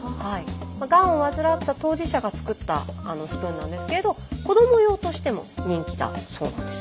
がんを患った当事者が作ったスプーンなんですけれど子ども用としても人気だそうなんです。